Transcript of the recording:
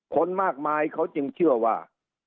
คนมากมายเขาจึงเชื่อว่า